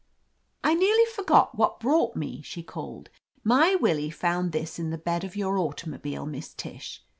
"I nearly forgot what brought me," she called. "My Willie found this in the bed of your automobile, Miss Tish."